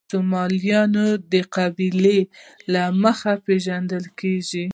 سومالیان د قبیلې له مخې پېژندل کېږي.